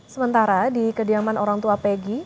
sementara di kediaman orang tua pegi